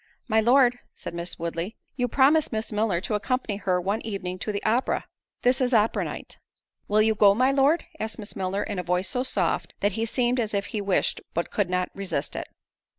"My Lord," said Miss Woodley, "you promised Miss Milner to accompany her one evening to the opera; this is opera night." "Will you go, my Lord?" asked Miss Milner, in a voice so soft, that he seemed as if he wished, but could not resist it.